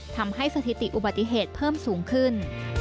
ทำให้สถิติอุบัติเหตุเพิ่มสูงขึ้น